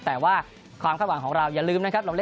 แต่ว่าความคาดหวังของเราอย่าลืมนะครับ